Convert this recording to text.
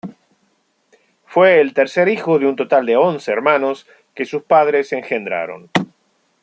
Fue el tercer hijo de un total de once hermanos que sus padres engendraron.